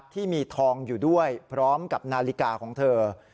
ที่มีทองอยู่ด้วยพร้อมกับนาฬิกาของเธอ